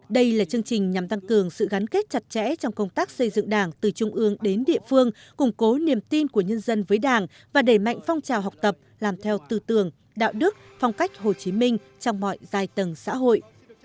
đây là chương trình nhằm tăng cường sự gắn kết chặt chẽ trong công tác xây dựng đảng từ trung ương đến địa phương củng cố niềm tin của nhân dân với đảng và đẩy mạnh phong trào học tập làm theo tư tưởng đạo đức phong cách hồ chí minh trong mọi giai tầng xã hội